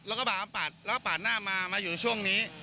แล้วก็บ่ามาปาดหน้ามามาอยู่ช่วงนี้